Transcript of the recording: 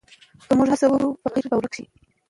که موږ هڅه وکړو، فقر به ورک شي.